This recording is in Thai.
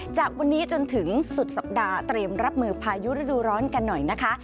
จากวันนี้จนถึงสุดสัปดาห์เตรียมรับมือพายุฤดูร้อนกันหน่อยนะคะ